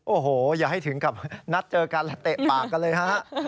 โอ้โหอย่าให้ถึงกับนัดเจอกันและเตะปากกันเลยฮะ